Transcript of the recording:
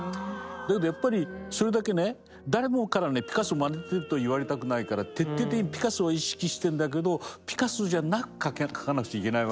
だけどやっぱりそれだけね誰もからピカソをまねてると言われたくないから徹底的にピカソを意識してるんだけどピカソじゃなく描かなくちゃいけないわけでそれが難しい。